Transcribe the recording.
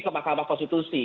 ke mahkamah konstitusi